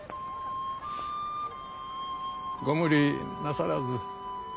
ご無理なさらず。